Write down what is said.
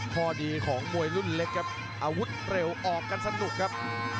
ข้อดีของมวยรุ่นเล็กครับอาวุธเร็วออกกันสนุกครับ